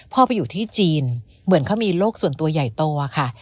ไปอยู่ที่จีนเหมือนเขามีโรคส่วนตัวใหญ่โตค่ะ